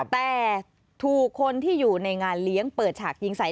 แต่ถูกคนที่อยู่ในงานเลี้ยงเปิดฉากยิงใส่